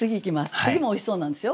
次もおいしそうなんですよ。